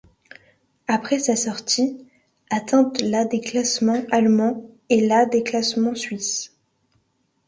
Après sa sortie, ' atteint la des classements allemands, et la des classements suisses.